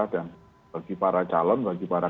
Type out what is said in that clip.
dan bagi para calon bagi para